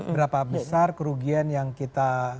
berapa besar kerugian yang kita